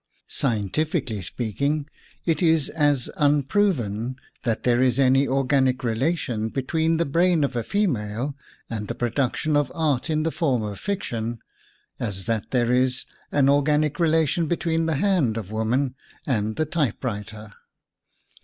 Scientifically speaking, it is as unproven that there is any organic relation between the brain of the fe male and the production of art in the form of fiction, as that there is an or ganic relation between the hand of woman and the typewriter.